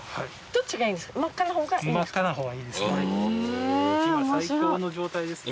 どっちがいいんですか？